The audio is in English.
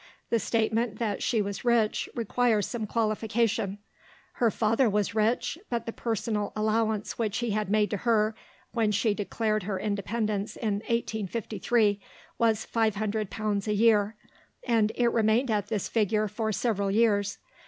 The statement that she was rich requires some qualification. Her father was rich, but the personal allowance which he had made to her, when she declared her independence in 1853, was £500 a year, and it remained at this figure for several years.